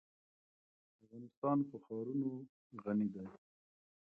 افغانستان په ښارونه غني دی.